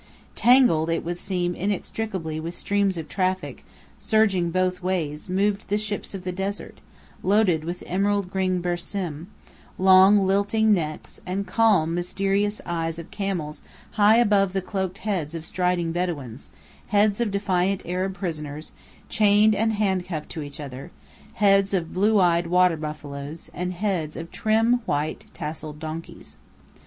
Tangled it would seem inextricably with streams of traffic, surging both ways, moved the "ships of the desert," loaded with emerald green bersím; long, lilting necks, and calm, mysterious eyes of camels high above the cloaked heads of striding Bedouins, heads of defiant Arab prisoners, chained and handcuffed to each other; heads of blue eyed water buffaloes, and heads of trim white, tasselled donkeys.